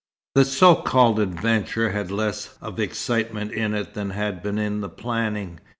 The so called "adventure" had less of excitement in it than had been in the planning.